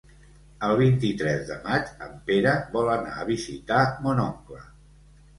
El vint-i-tres de maig en Pere vol anar a visitar mon oncle.